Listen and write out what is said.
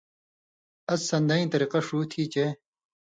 اس سݩدئیں طریۡقہ ݜُو تھی چے